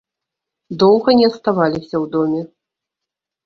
Доўга не аставаліся ў доме.